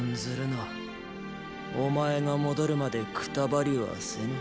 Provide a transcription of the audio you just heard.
なお前が戻るまでくたばりはせぬ。